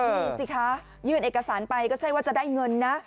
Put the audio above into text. นี่สิคะยื่นเอกสารไปก็ใช่ว่าจะได้เงินนะ